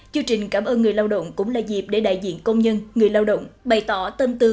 chương trình cảm ơn người lao động cũng là dịp để đại diện công nhân người lao động bày tỏ tâm tư